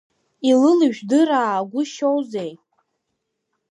Илылыжәдыраагәышьозеи?